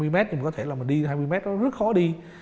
hai mươi mét thì có thể là đi hai mươi mét rất khó đi